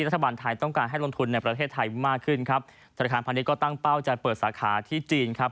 รัฐบาลไทยต้องการให้ลงทุนในประเทศไทยมากขึ้นครับธนาคารพาณิชยก็ตั้งเป้าจะเปิดสาขาที่จีนครับ